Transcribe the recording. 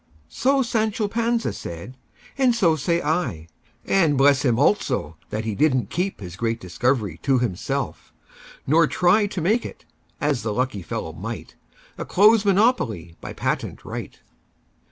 So Sancho Panza said, and so say I:And bless him, also, that he did n't keepHis great discovery to himself; nor tryTo make it—as the lucky fellow might—A close monopoly by patent right!